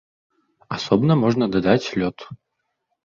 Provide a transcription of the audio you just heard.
Асобна можна дадаць лёд.